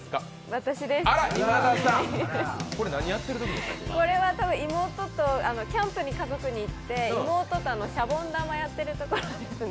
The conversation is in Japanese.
私です、これは妹とキャンプに家族で行って、妹としゃぼん玉やってるところですね。